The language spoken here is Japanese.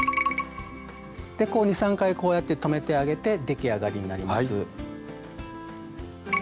で２３回こうやって留めてあげて出来上がりになります。